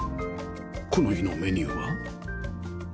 この日のメニューは？